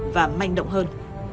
và manh động hơn